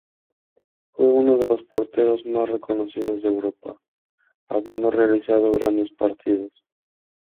Fue uno de los porteros más reconocidos de Europa, habiendo realizado grandes partidos.